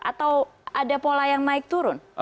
atau ada pola yang naik turun